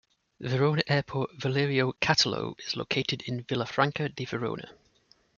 Verona Airport "Valerio Catullo" is located in Villafranca di Verona.